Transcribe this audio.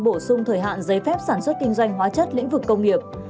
bổ sung thời hạn giấy phép sản xuất kinh doanh hóa chất lĩnh vực công nghiệp